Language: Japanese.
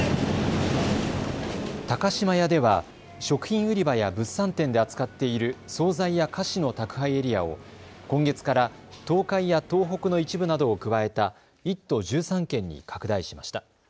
高島屋では食品売り場や物産展で扱っている総菜や菓子の宅配エリアを今月から東海や東北の一部などを加えた１都１３県に拡大しました。